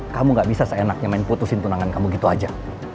kamu gak bisa seenaknya main putusin tunangan kamu gitu aja